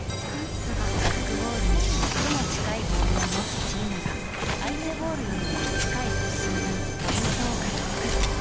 ジャックボールに最も近いボールを持つチームが相手ボールよりも近い個数分ポイントを獲得。